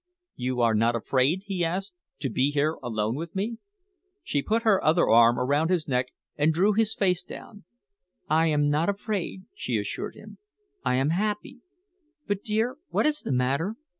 "You are not afraid," he asked, "to be here alone with me?" She put her other arm around his neck and drew his face down. "I am not afraid," she assured him. "I am happy. But, dear, what is the matter?